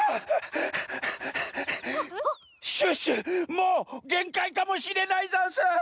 もうげんかいかもしれないざんす！